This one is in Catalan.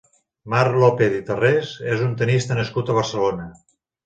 Marc López i Tarrés és un tennista nascut a Barcelona.